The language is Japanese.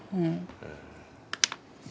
うん。